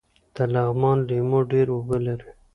د لغمان لیمو ډیر اوبه لري